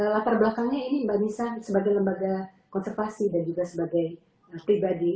latar belakangnya ini mbak nisa sebagai lembaga konservasi dan juga sebagai pribadi